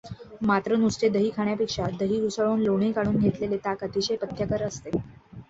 मात्र नुसते दही खाण्यापेक्षा दही घुसळून लोणी काढून घेतलेले ताक अतिशय पथ्यकर असते.